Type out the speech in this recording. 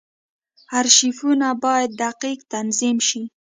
ارشیفونه باید دقیق تنظیم شي.